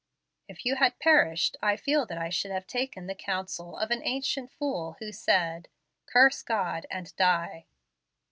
If you had perished, I feel that I should have taken the counsel of an ancient fool, who said, 'Curse God and die.'"